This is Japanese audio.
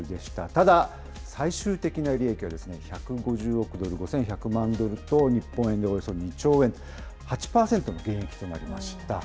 ただ、最終的な利益は１５０億５１００万ドルと、日本円でおよそ２兆円、８％の減益となりました。